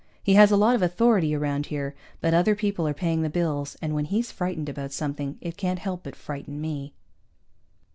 He has a lot of authority around here, but other people are paying the bills, and when he's frightened about something, it can't help but frighten me.